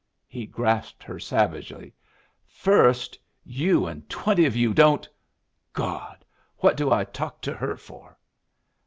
He grasped her savagely. "First! You and twenty of yu' don't God!! what do I talk to her for?"